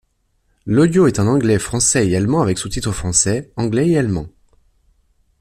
L'audio est en Anglais, Français et Allemand avec sous-titres français, anglais et allemands.